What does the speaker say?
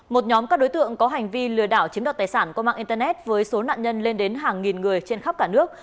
một nhóm các đối tượng có hành vi lừa đảo chiếm đoạt tài sản qua mạng internet với số nạn nhân lên đến hàng nghìn người trên khắp cả nước